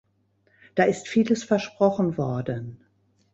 Da ist vieles versprochen worden.